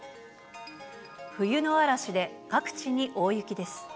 冬の嵐で各地に大雪です。